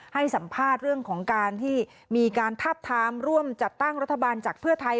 ให้สัมภาษณ์เรื่องของการที่มีการทาบทามร่วมจัดตั้งรัฐบาลจากเพื่อไทย